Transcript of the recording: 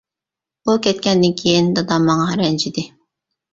ئۇ كەتكەندىن كېيىن دادام ماڭا رەنجىدى.